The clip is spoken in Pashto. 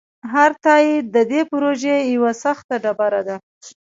هر تایید د دې پروژې یوه سخته ډبره ده.